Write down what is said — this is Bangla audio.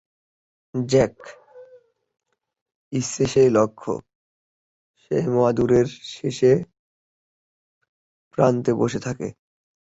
'জ্যাক' হচ্ছে সেই লক্ষ্য, যে মাদুরের শেষ প্রান্তে বসে থাকে।